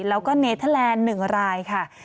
แล้วก็เนเทอร์แลนด์๑รายค่ะ